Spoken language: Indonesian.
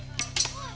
ujang ujang ujang